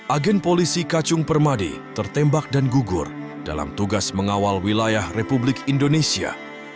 agen polisi kacung permadi tertembak dan gugur dalam tugas mengawal wilayah republik indonesia